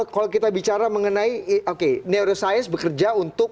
kalau kita bicara mengenai oke neuroscience bekerja untuk